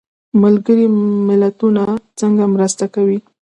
ملګري ملتونه څنګه مرسته کوي؟